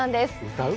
歌う？